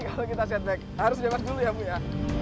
kalau kita setback harus bebas dulu ya bu ya